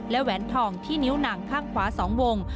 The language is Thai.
และแหวนทองที่นิ้วหนังข้างขวา๒วง